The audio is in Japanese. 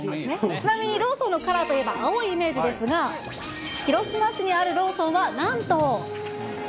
ちなみにローソンのカラーといえば青いイメージですが、広島市にあるローソンはなんと。